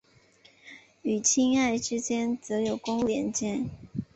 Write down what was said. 与钦奈之间则有公路连接。